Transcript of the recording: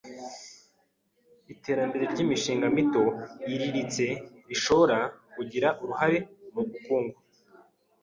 Iterambere ry'imishinga mito n'iiriritse rishoora kugira uruhare mu ukungu